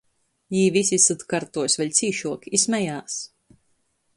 Jī vysi syt kartuos vēļ cīšuok i smejās.